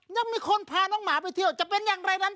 ยังมีคนพาน้องหมาไปเที่ยวจะเป็นอย่างไรนั้น